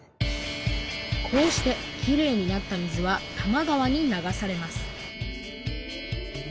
こうしてきれいになった水は多摩川に流されます